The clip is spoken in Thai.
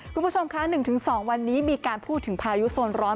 คุณผู้ชมคะ๑๒วันนี้มีการพูดถึงพายุโซนร้อน